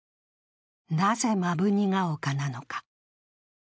なぜ「摩文仁ヶ丘」なのか。